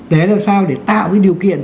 để làm sao để tạo cái điều kiện